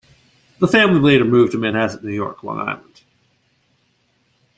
The family later moved to Manhasset, New York, Long Island.